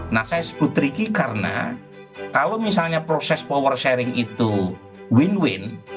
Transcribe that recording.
nah saya sebut tricky karena kalau misalnya proses power sharing itu win win